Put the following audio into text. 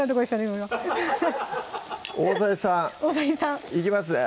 今大さじ３いきますね